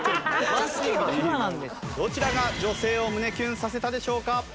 どちらが女性を胸キュンさせたでしょうか？